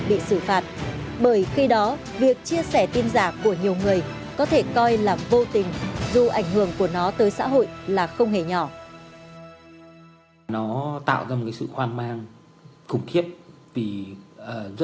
bởi khi đó việc chia sẻ tin giả của nhiều người có thể coi là vô tình dù ảnh hưởng của nó tới xã hội là không hề nhỏ